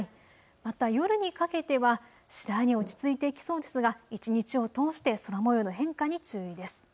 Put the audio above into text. また夜にかけては次第に落ち着いてきそうですが、一日を通して空もようの変化に注意です。